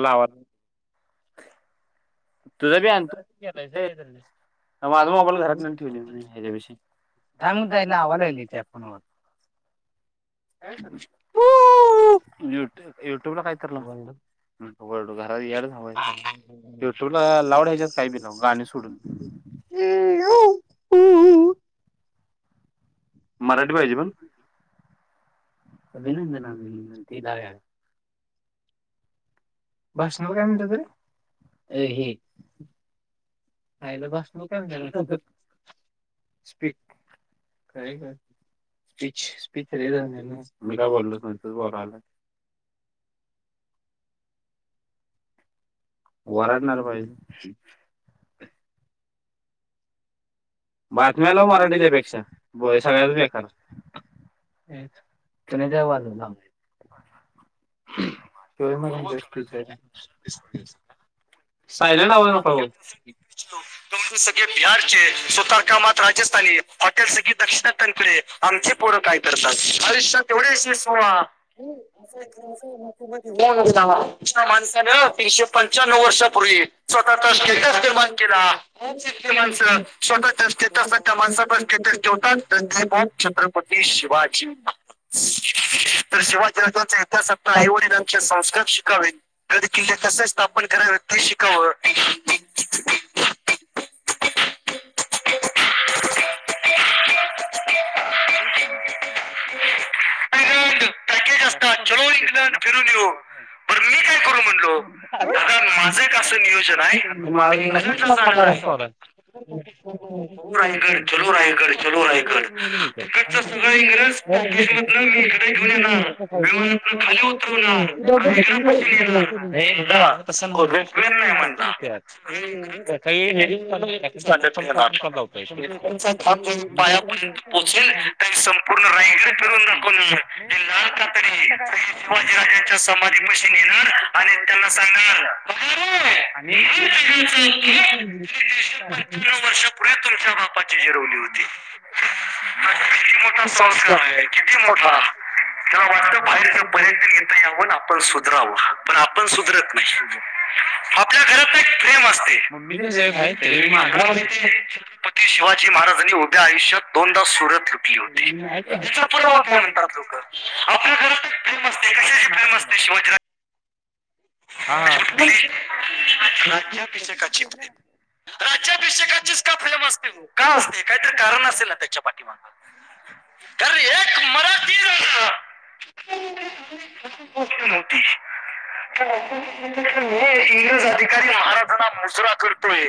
लाव. जले माझा मोबाईल घरात ठेव हच्यापशी. दमदयला ला हलत अ आपण युट्यू युट्युब ला काहीतलं. घरात या जाय तुला लावडायच्यात काही बी नाव गाणी सोडून मराठी पाहिजे पण. अभिनंदन ती जावया भाषणाला काय म्हणतात रे. आईला भाषणाला काय म्हणत्यात स्पीक काय का स्पीच स्पीच रे जा ना मी काय बोललोच नाही तू बोलाला वरडणार पाहिजे. बातम्याला मराठी त्यापेक्षा ब सगळ्याच बेकार. त नाहीच्या वाज. [unintelligible] सायलेंट आवाज ना फगून. सगळे बिहार चे स्वतारकामात राजस्थानी हॉटेल सगळी दक्षिणन पुढे. आमची पोळं काय करतात आयुष्यात तेवढीशी सो. [inaudible] तीनशे पंच्या् वर्षात. वी स्वतःचा स्टेटस निर्माण केला. माणसं स्वतःच्या स्टटस त्या माणसाचा स्टटस ठेवतात तरप. छत्रपती शिवाजी. तर शिवाजीराजांचा इतिहासातता आऐवळीलाक्ष संस्कार शिकावेल. कध कि तसंच स्था आपण करायशिक. चलो इथल्या फिरून येऊ बर मी काय करू म्हणलो. आ माझं एक असं नियोजन आहे. [inaudible] चलो रायगड चलो रायगड चलो रायगड तुच सगळं इंग्रज किसमत न मी. [unintelligible] येणार विमानात खाली उतरवणारयग पसून येणार. ह रुगवेल नाही म्हणतातलले नाहीण. [unintelligible] पूर्ण राहीस फिरून न कोणी. हे लाल कातरी शिवाजीराजांच्या समाधी भाशीन येणार आणि त्यांना सांगणार. आणि वर्ष. पुढे तुमच्या बापाची जिरवली होती. का संस्कार आहे किती मोठा. त्याला वाटतं बाहेरचं पर्यटन येेतता याऊन आपण सुधरावं. पण आपण सुधरत नाही आपल्या घरात एक प्रेम असते. मम्मी तेच्या खाय त्याचे बी माल. कि शिवाजी महाराजांनी उभ्या आयुष्यात दोनदाास सुरत लुटली होती जि तुम्ही म्हणतात. आपल्या घरात प्रेम असते कशा प्रेम असते शवज. ली रा्या पिछे का चि. राज्याभिषेकाचीच का फेम असते त का असते. काहीत कारण असेल ना त्याच्या पाठीमाग तर एक मराठ. हो होती. [unintelligible] इंग्रज अधिकारी महाराजांना मुजरा करतोय.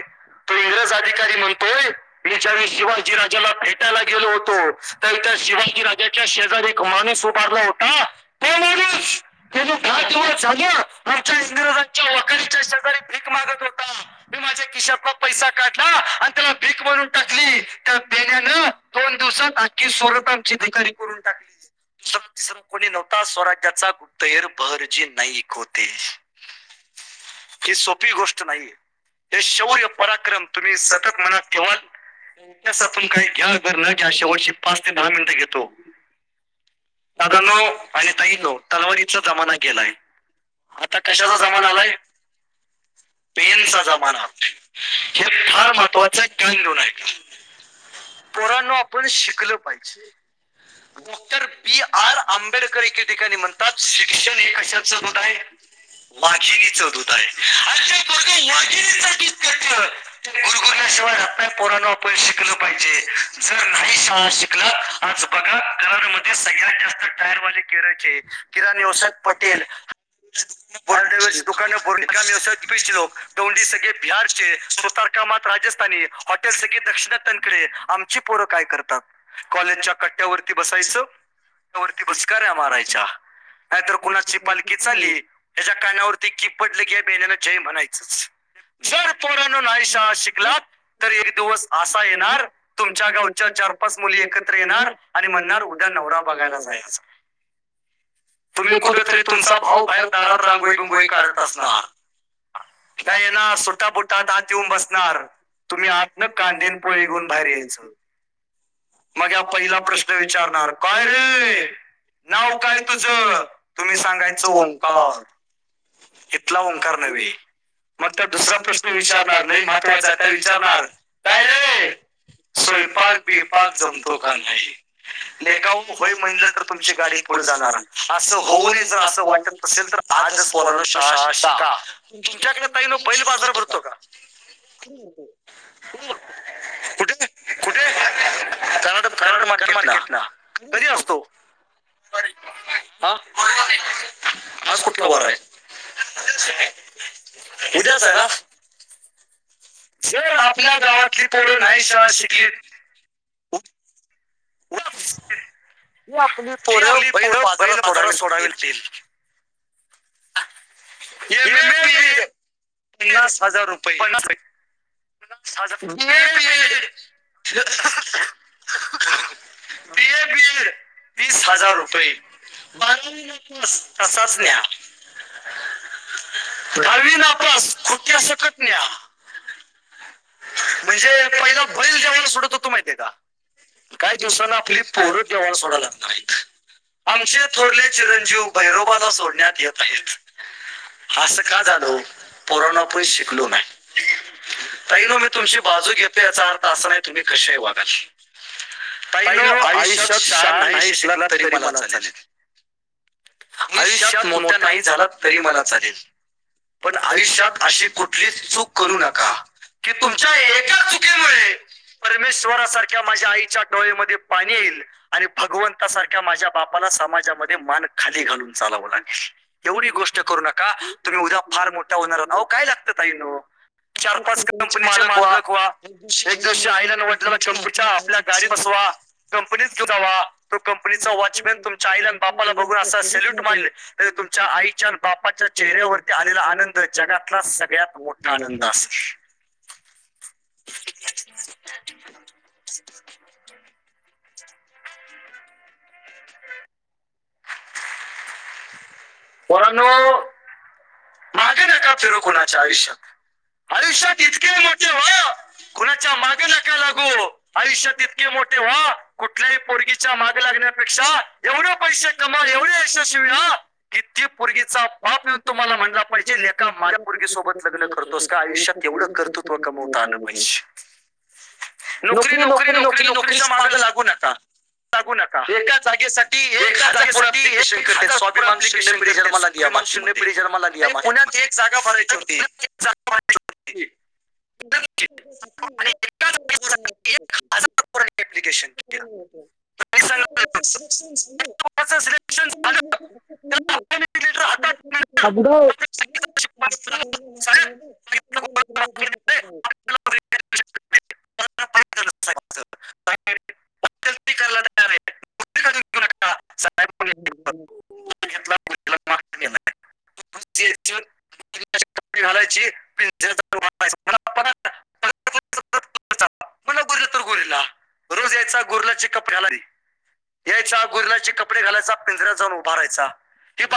तो इंग्रज अधिकारी म्हणतोय. हच्या शिवाजी राजाला फेटायला गेलो होतो तर इथ शिवाजी राजा शेजार एक माणूस उभारला होता तो माणूस दहा दिवस. आमच्या इंदिरजांच्या वकलीच्या शेजारी भीक मागत होता मी माझे किशर बाप? पैसा‌ काढला आणि त्याला भीक बनून टाकली त्या देण्यान दोन दिवसात. की सुरत आमची िकारी करून टाकली. दुसर दिस कोणी नव्हता स्वराज्याचा गुदहेर बहरजी नाईक होते. ही सोपी गोष्ट नाहीे हे शौर्य पराक्रम तुम्ही सतत मनात केव्हा. इ सातून काही घ्या जर न घ्या शेवटची पाच ते दहा मिनिटं घेतो. दधानो आणि ताईलो तलवारीचा जमाना गेलाय. आता कशाचा जमाना आलाय पेनचा जमान आला. हे फार महत्त्वाचंण आहे का. [unintelligible] पी आर आंबेडकर एके ठिकाणी म्हणतात सिटिझन हे कशाच गध आहे. मागिनीचं दूध आहे अच मागिनीचं दूत गुरुगुरल्या शिवाय रताय पोराणपय शिकलं पाहिजे जर नाही शाळा शिकलं. आज बघा करमध्येध्ये सगळ्यात जास्त टायरवाले केराचे किराणी साद पटेल. [unintelligible] आ दुकाने बोरली. आगामी ववचे लोक दोंडी सगळे बिहारचे स्वतारकामात राजस्थानी. हॉटेल सगळी दक्षिण तणकडे आमची पोरं काय करतात. कॉलेजच्या कट्ट्यावरती बसायचं. वती बसकार्या मारायच्या नाहीतर कुणाची पालखी चाली. त्याच्या कानावरती कि पडले के बेल्यां जय म्हणायचंच. जर तोराण आय शा शिकलात तर एक दिवस असा येणार. तुमच्या गावच्या चार पाच मुली एकत्र येणार. आणि म्हणणार उद्या नवरा बघायला जाय असं तुम्ही कुठेतरी तुमचा भाऊ बाहेर. तां कोळी प गई करत असणार. नाहीय ना सुट्टा बुटाात हात येऊन बसणार. तुम्ही आत ना कांदेन पोळीघऊन बाहेर यायचं. मग ह पहिला प्रश्न विचारणार काय रे नाव काय त. आ तुम्ही सांगायचो. हा. इथला ओंकार नव्हे. त दुसऱ्या गोष्टी विचारणार नाही महत्वाच तर विचारणार काय रे. स्वयंपाक पिपाक जमतो का नाही दे का होय म्हणलं तर तुमची गाडी. स होऊन स्र. तुमच्याकत काण. हो कुठे कड कड मार्केट ना. हा हॉस्पुटला बर आहे. इतकच आहे ना सर आपल्या गावातली पोरण शाळा शिकली वा ही आपली पोळ बैल बाजारात सोडावेल तेल हे मेप पन्नास हजार रुपये भड बेड बीए बीड तीस हजार रुपये बरो नास तसच न लवी नापस खोटी अस क म्हणजे पहिला बल सुध किती नाही दुसऱ्यांना आपली पोर सोडा लागणार आहेत आमचे थोरले चिरंजीव भैरोबाला सोडण्यात येत आहेत अस का जाधव परोना पण शिकलो नाही तई न मी तुमची बाजू घेतो याचा अर्थ असा नाही तुम्ही कशही वागाल ताई नो आयुष्यात शाळा नाही शिकला तरी मला चालेल आयुष्यात मोठ्या नाही झाला तरी मला चालेल. पण आयुष्यात अशी कुठलीच चूक करू नका. [unintelligible] च्या एका चुकीमुळे. परमेश्वरासारख्या माझ्या आईच्या डोळेमध्ये पाणी येईल आणि भगवंतासारख्या माझ्या बापाला समाजामध्ये मान खाली घालून चालावं लागेल एवढी गोष्ट करू नका तुम्ही उद्या फार मोठा होणार आहता काय लागतं तईनो ची मालक व एक दिवशी आईला न वाटले कपच्या आपल्या गाडीस कंपनीत घेऊ दवा तो कंपनीचा वॉचमॅन तुमच्या आईल आणि बापाला बघून असा सेल्यूट माारल तर तुमच्या आईच्या बापपाच्या चेहऱ्यावरती आलेला आनंद जगातला सगळ्यात मोठा आनंद अस [inaudible] [inaudible] [inaudible] कोनाो माहागे नका फिरो कुणाच्या आयुष्यात आयुष्यात इतके मोठे वय कुणाच्या मागे नका लागू आयुष्यात ततके मोठे व्हा कुठल्याही पोरगी च्या मागे लागण्यापेक्षा एवढे पैसे कमा एवढे यशस्वी या किती पर्गीचा पाप येऊन तुम्हाला म्हटला पाहिजेका माझ्या पर्गेसोबत लग्न करतोस का आयुष्यात एवढं कर्तृत्व कमवता आलं पाहिजे नोकरी नोकरी नोकरी नोकरीच्या मागे लागू नका एका जागेसाठी एक हजपोरप्लिकेशन करत स्वाभिमान शिंदे जन्माला द मात म पुण्यात एक जागा भरायची होती ह् त्यासाठी ते सुर झा तिकडे अस अड भष्ट कर गलती करला या हम्् आहे [inaudible] गुरलाचे कप्याला दि यायचा गुरलाचे कपडे घालायचा पिंजऱ्या जाऊन उभारायचा की पाहि